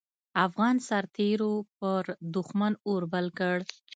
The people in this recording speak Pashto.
افغان سررتېرو پر دوښمن اور بل کړ.